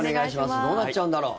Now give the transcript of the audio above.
どうなっちゃうんだろう？